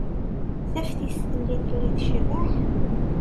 Taftist-nni tella tecbeḥ.